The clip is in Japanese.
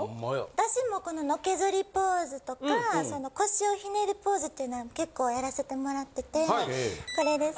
私もこののけ反りポーズとか腰をひねるポーズっていうのは結構やらせてもらっててこれです。